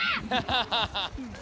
ハハハハ！